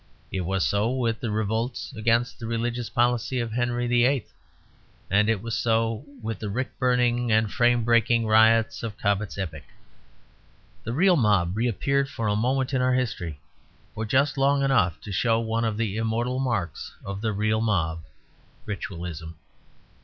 It was so with the revolts against the religious policy of Henry VIII.; and it was so with the rick burning and frame breaking riots of Cobbett's epoch. The real mob reappeared for a moment in our history, for just long enough to show one of the immortal marks of the real mob ritualism.